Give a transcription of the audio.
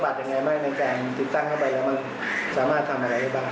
อย่างไรมั้ยในการติดตั้งเข้าไปแล้วมันสามารถทำอะไรรึไม่